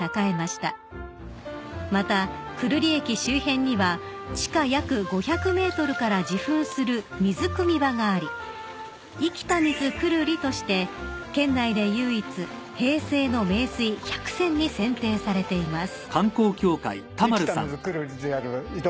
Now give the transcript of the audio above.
［また久留里駅周辺には地下約５００ｍから自噴する水くみ場があり生きた水・久留里として県内で唯一平成の名水百選に選定されています］